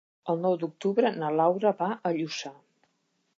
El nou d'octubre na Laura va a Lluçà.